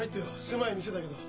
狭い店だけど。